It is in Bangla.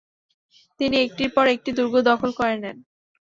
তিনি একটির পর একটি দুর্গ দখল করে নেন।